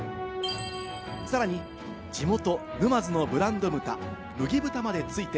さらに地元、沼津のブランド豚・麦豚までついて、